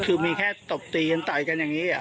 คือมีแค่ตบตีกันต่อยกันอย่างนี้